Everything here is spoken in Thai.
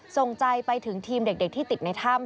ส่งใจไปถึงทีมเด็กที่ติดในถ้ำ